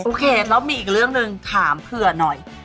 โอเคแล้วมีอีกเรื่องหนึ่งถามเผื่อหน่อย